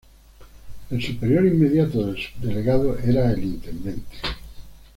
El superior inmediato del subdelegado era el intendente.